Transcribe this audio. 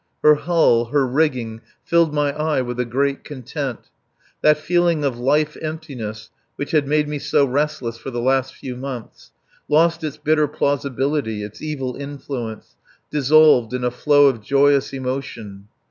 Her hull, her rigging filled my eye with a great content. That feeling of life emptiness which had made me so restless for the last few months lost its bitter plausibility, its evil influence, dissolved in a flow of joyous emotion.